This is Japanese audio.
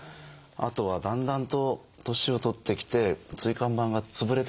あとはだんだんと年を取ってきて椎間板が潰れてくるんですね。